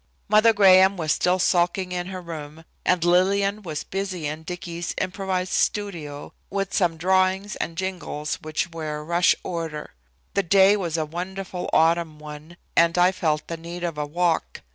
Mother Graham was still sulking in her room, and Lillian was busy in Dicky's improvised studio with some drawings and jingles which were a rush order. The day was a wonderful autumn one, and I felt the need of a walk.